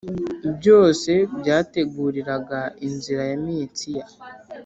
byose byateguriraga inzira ya mensiya